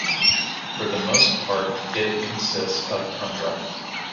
For the most part it consists of tundra.